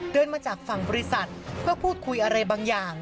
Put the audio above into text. เดินมาจากฝั่งบริษัทเพื่อพูดคุยอะไรบางอย่าง